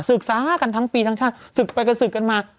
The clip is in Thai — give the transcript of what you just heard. ศึกษากันทั้งปีทั้งชาติศึกไปกันศึกกันมา